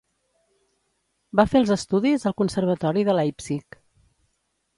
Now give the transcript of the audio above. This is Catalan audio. Va fer els estudis al Conservatori de Leipzig.